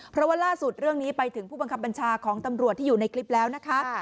เพราะว่าล่าสุดเรื่องนี้ไปถึงผู้บังคับบัญชาของตำรวจที่อยู่ในคลิปแล้วนะคะ